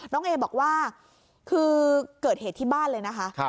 เอบอกว่าคือเกิดเหตุที่บ้านเลยนะคะ